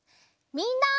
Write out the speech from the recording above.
みんな。